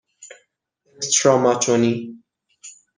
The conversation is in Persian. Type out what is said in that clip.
استراماچونی